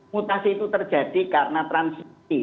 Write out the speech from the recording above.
mutasi itu terjadi karena transisi